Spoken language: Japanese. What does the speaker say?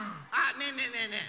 ねえねえねえねえ。